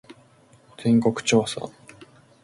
全国調査